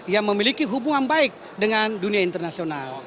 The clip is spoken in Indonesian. yang memiliki hubungan baik dengan dunia internasional